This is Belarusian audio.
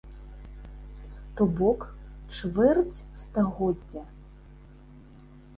То бок, чвэрць стагоддзя.